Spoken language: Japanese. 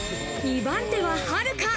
２番手は、はるか。